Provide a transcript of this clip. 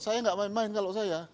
saya nggak main main kalau saya